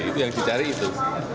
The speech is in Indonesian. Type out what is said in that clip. itu yang dicari itu